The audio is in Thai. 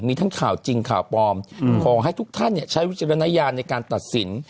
มีทั้งข่าวจริงข่าวปลอมขอให้ทุกท่านใช้วิจารณญาณในการตัดสิน